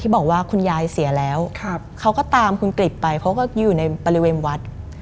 บอกว่าคุณยายเสียแล้วเขาก็ตามคุณกริจไปเขาก็อยู่ในบริเวณวัด